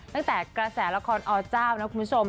ตั้งแต่กระแสละครอเจ้านะคุณผู้ชม